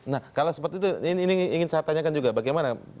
nah kalau seperti itu ini ingin saya tanyakan juga bagaimana